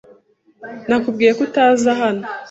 Nakubwiye ko utaza hano.